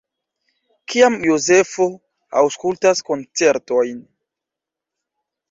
Kiam Jozefo aŭskultas koncertojn?